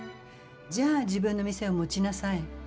じゃあ自分の店を持ちなさい。